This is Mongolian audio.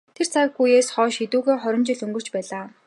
Тэр цаг үеэс хойш эдүгээ хорин жил өнгөрсөн байлаа.